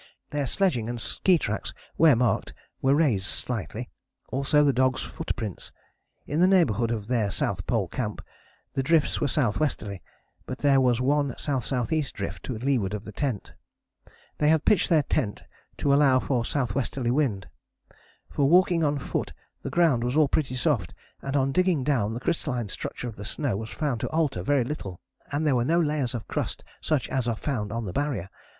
Their sledging and ski tracks, where marked, were raised slightly, also the dogs' footprints. In the neighbourhood of their South Pole Camp the drifts were S.W.ly, but there was one S.S.E. drift to leeward of tent. They had pitched their tent to allow for S.W.ly wind. For walking on foot the ground was all pretty soft, and on digging down the crystalline structure of the snow was found to alter very little, and there were no layers of crust such as are found on the Barrier.